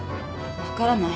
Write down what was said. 分からない。